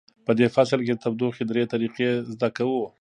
په دې فصل کې د تودوخې درې طریقې زده کوو.